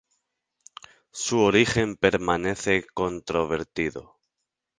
Su origen permanece controvertido.